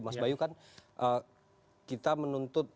mas bayu kan kita menuntut